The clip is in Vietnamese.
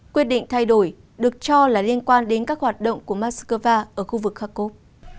quyết định thay đổi được cho là liên quan đến các hoạt động của moscow ở khu vực kharkov